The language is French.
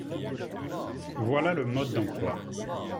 Voilà le mode d’emploi